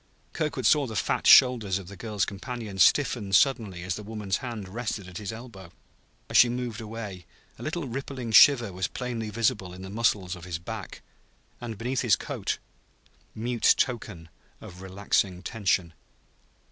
Kirkwood saw the fat shoulders of the girl's companion stiffen suddenly as the woman's hand rested at his elbow; as she moved away, a little rippling shiver was plainly visible in the muscles of his back, beneath his coat mute token of relaxing tension.